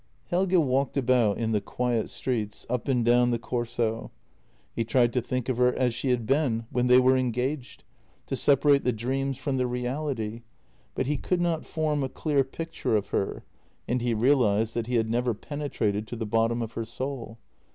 Helge walked about in the quiet streets, up and down the Corso. He tried to think of her as she had been when they were engaged, to separate the dreams from the reality, but he could not form a clear picture of her, and he realized that he JENNY 293 had never penetrated to the bottom of her soul.